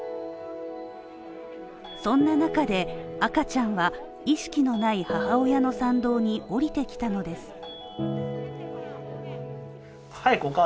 そんな中で、赤ちゃんは意識のない母親の産道におりてきたのです。